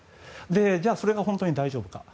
じゃあ、それが本当に大丈夫か。